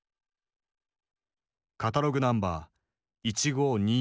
カタログナンバー１５２４２。